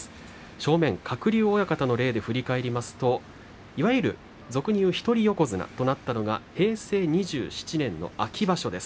正面、鶴竜親方の例で振り返りますと俗に言う一人横綱となったのは平成２７年の秋場所です。